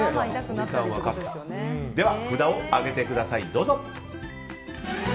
では、札を上げてください。